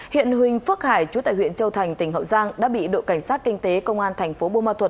hiện huỳnh phước hải chú tại huyện châu thành tỉnh hậu giang đã bị đội cảnh sát kinh tế công an tp bông ma thuật